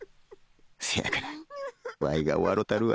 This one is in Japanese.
せやからわいが笑たるわ